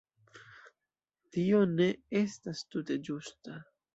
Tio ne estas tute ĝusta.